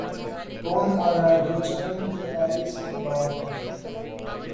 کون آیا‘ جو چمن بے تابِ استقبال ہے!